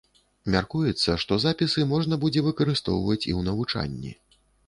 Мяркуецца, што запісы можна будзе выкарыстоўваць і ў навучанні.